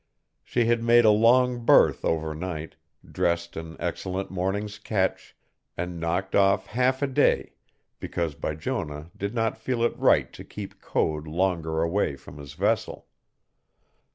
She had made a long berth overnight, dressed an excellent morning's catch, and knocked off half a day because Bijonah did not feel it right to keep Code longer away from his vessel.